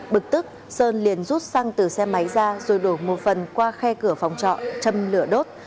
bực tức sơn liền rút xăng từ xe máy ra rồi đổ một phần qua khe cửa phòng trọ châm lửa đốt